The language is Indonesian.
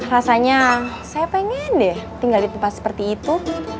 rasanya saya pengen deh tinggal di tempat seperti itu